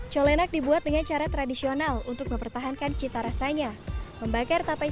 colenak dibuat dengan cara tradisional untuk mempertahankan cita rasanya membakar tapai